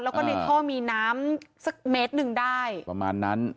แล้วก็ในท่อมีน้ำสักเมตรหนึ่งได้ประมาณนั้น